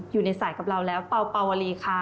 อยู่ในสายกับเราแล้วเป่าเป่าวลีค่ะ